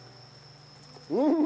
うん！